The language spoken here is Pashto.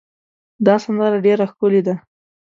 دا سندره ډېره ښکلې ده.